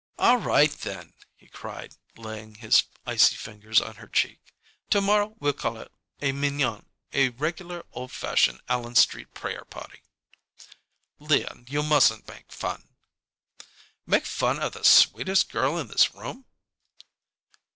"All right, then," he cried, laying his icy fingers on her cheek; "to morrow we'll call a mignon a regular old fashioned Allen Street prayer party." "Leon, you mustn't make fun." "Make fun of the sweetest girl in this room!"